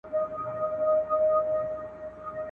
کتاب د تجربو خزانه ده چي د تېرو خلکو زده کړي موږ ته راکوي ,